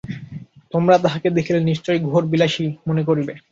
তোমরা তাঁহাকে দেখিলে নিশ্চয়ই ঘোর বিলাসী মনে করিবে।